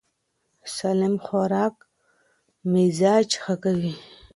سالم خوراک مزاج ښه کوي.